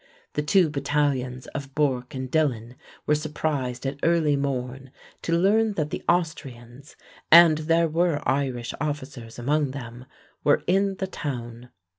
The two battalions of Bourke and Dillon were surprised at early morn to learn that the Austrians and there were Irish officers among them were in the town.